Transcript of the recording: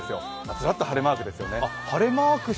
ズラッと晴れマークですよね。